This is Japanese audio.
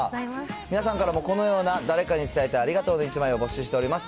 皆さんからもこのような誰かに伝えたいありがとうの１枚を募集しております。